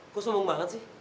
kok semang banget sih